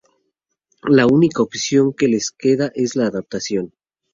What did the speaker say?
la única opción que le queda es la adaptación